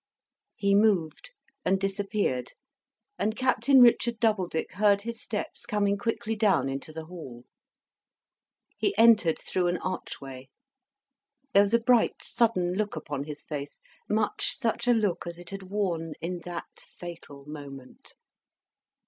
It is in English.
He moved, and disappeared, and Captain Richard Doubledick heard his steps coming quickly down own into the hall. He entered through an archway. There was a bright, sudden look upon his face, much such a look as it had worn in that fatal moment.